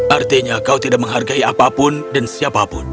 artinya kau tidak menghargai apapun dan siapapun